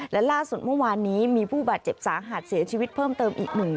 และล่าสุดเมื่อวานนี้มีผู้บาดเจ็บสาหัสเสียชีวิตเพิ่มเติมอีก๑